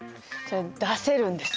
出せるんです！